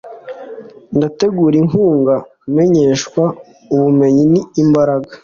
ndagutera inkunga menyeshwa - ubumenyi ni imbaraga